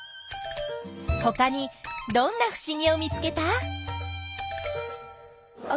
ほかにどんなふしぎを見つけた？